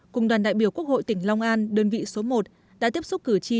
cùng đoàn đại biểu quốc hội tỉnh long an đơn vị số một đã tiếp xúc cử tri